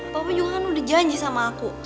papa johan udah janji sama aku